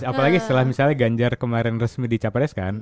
apalagi setelah misalnya ganjar kemarin resmi di capres kan